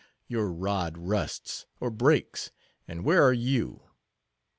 Your rod rusts, or breaks, and where are you?